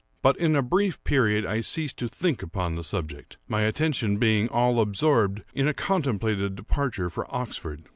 But in a brief period I ceased to think upon the subject; my attention being all absorbed in a contemplated departure for Oxford.